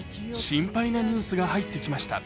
心配なニュースが入ってきました。